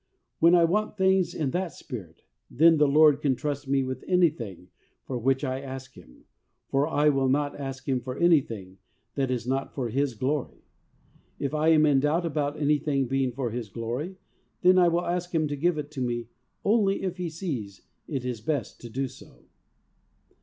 When I want things in that spirit, then the Lord can trust me with anything for which I ask Him, for I will not ask Him for any thing that is not for His glory. If I am in doubt about anything being for His glory, then I will ask Him to give it to me only if He sees it is best to do so.